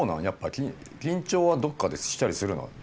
やっぱり緊張はどっかでしたりするの？